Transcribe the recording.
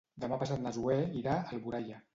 Demà passat na Zoè irà a Alboraia.